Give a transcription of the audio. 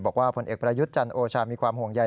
บอกว่าผลเอกประยุทธ์จันทร์โอชามีความห่วงใหญ่